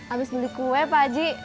abis beli kue pak aji